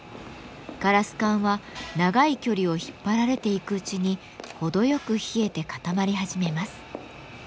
ガラス管は長い距離を引っ張られていくうちに程よく冷えて固まり始めます。